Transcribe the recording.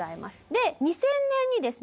で２０００年にですね